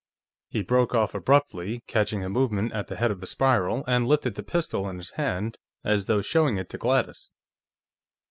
He broke off abruptly, catching a movement at the head of the spiral, and lifted the pistol in his hand, as though showing it to Gladys.